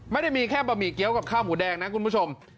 ไม่ได้มีแค่บะหมี่เกี้ยวกับข้าวหมูแดงนะคุณผู้ชม